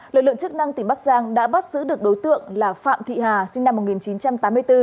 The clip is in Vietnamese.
lực lượng chức năng tỉnh bắc giang đã bắt giữ được đối tượng là phạm thị hà sinh năm một nghìn chín trăm tám mươi bốn